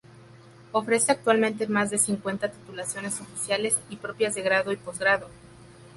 Ofrece actualmente más de cincuenta titulaciones oficiales y propias de grado y posgrado.